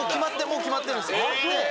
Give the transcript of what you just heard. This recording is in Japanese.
もう決まってるんですよ。